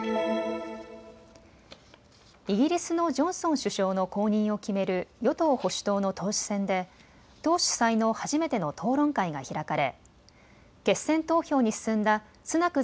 イギリスのジョンソン首相の後任を決める与党保守党の党首選で、党主催の初めての討論会が開かれ決選投票に進んだスナク